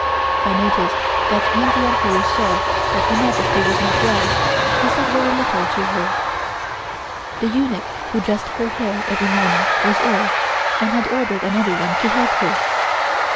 I noticed that when the Emperor saw that Her Majesty was not well, he said very little to her. The eunuch who dressed her hair every morning was ill, and had ordered another one to help her.